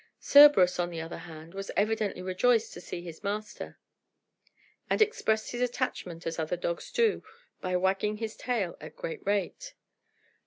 Cerberus, on the other hand, was evidently rejoiced to see his master, and expressed his attachment, as other dogs do, by wagging his tail at a great rate.